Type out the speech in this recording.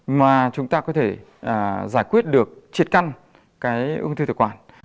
mà chúng ta có thể giải quyết được triệt căn ông thư thực quản